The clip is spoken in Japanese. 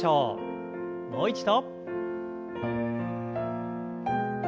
もう一度。